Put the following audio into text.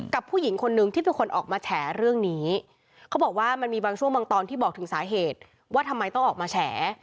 ผู้หญิงคนนึงที่เป็นคนออกมาแฉเรื่องนี้เขาบอกว่ามันมีบางช่วงบางตอนที่บอกถึงสาเหตุว่าทำไมต้องออกมาแฉ